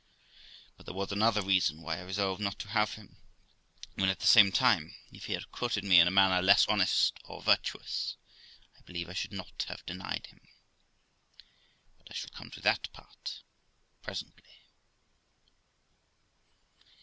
But there was another reason why I resolved not to have him, when, at the same time, if he had courted me in a manner less honest or virtuous, I believe I should not have denied him; but I shall come to that part presently.